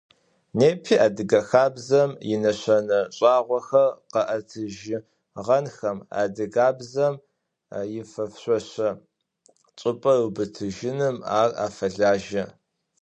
Непи адыгэ хабзэм инэшэнэ шӏагъохэр къэӏэтыжьыгъэнхэм, адыгабзэм ифэшъошэ чӏыпӏэ ыубытыным ар афэлажьэ.